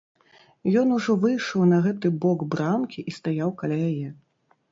Ён ужо выйшаў на гэты бок брамкі і стаяў каля яе.